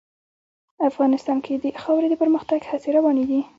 افغانستان کې د خاوره د پرمختګ هڅې روانې دي.